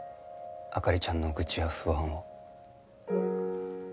灯ちゃんの愚痴や不安を。